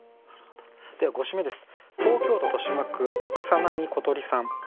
では５首目です。